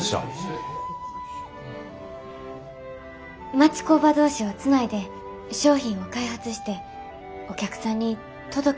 町工場同士をつないで商品を開発してお客さんに届ける仕事です。